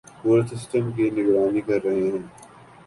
پورے سسٹم کی نگرانی کررہے ہیں